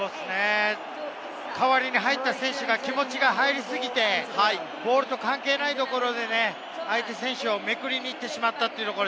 代わりに入った選手が、気持ちが入りすぎて、ボールと関係ないところで相手選手をめくりに行ってしまった。